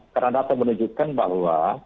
karena data menunjukkan bahwa